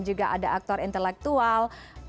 juga ada aktor intelektual